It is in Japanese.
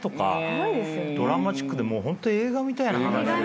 ドラマチックでホント映画みたいな話。